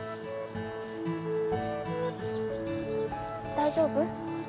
大丈夫？